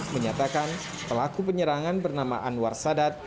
menyatakan pelaku penyerangan bernama anwar sadat